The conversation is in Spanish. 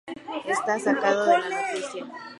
Está sacado de las noticias.